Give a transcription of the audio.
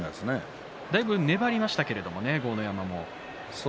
だいぶ粘りましたけれどもね、豪ノ山も。